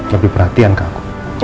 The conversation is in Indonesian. lebih perhatian ke aku